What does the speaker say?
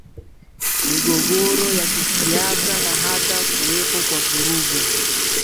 migogoro ya kisiasa na hata kuwepo kwa vurugu